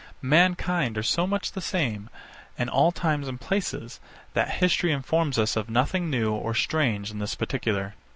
Mankind are so much the same, in all times and places, that history informs us of nothing new or strange in this particular.